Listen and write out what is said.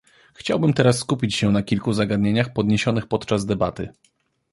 Chciałbym teraz skupić się na kilku zagadnieniach podniesionych podczas debaty